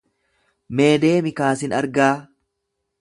Mee deemi kaa sin argaa?